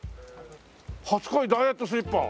「初恋ダイエットスリッパ」